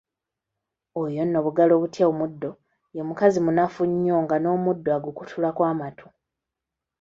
Oyo nno bugalo butya omuddo ye mukazi munafu nnyo, nga n'omuddo agukutulako matu.